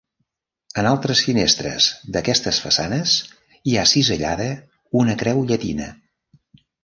En altres finestres d'aquestes façanes hi ha cisellada una creu llatina.